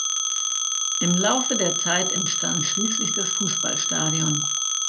Im Laufe der Zeit entstand schließlich das Fußballstadion.